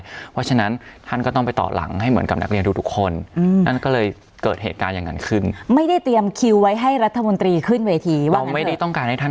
เพราะฉะนั้นท่านก็ต้องไปต่อหลังให้เหมือนกับนักเรียนดูทุกคนนั่นก็เลยเกิดเหตุการณ์อย่างนั้นขึ้นไม่ได้เตรียมคิวไว้ให้รัฐมนตรีขึ้นเวทีว่าเราไม่ได้ต้องการให้ท่าน